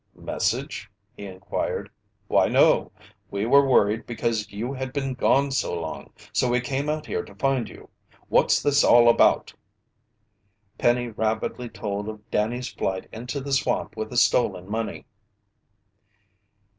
"Message?" he inquired. "Why, no! We were worried because you had been gone so long, so we came out here to find you. What's this all about?" Penny rapidly told of Danny's flight into the swamp with the stolen money.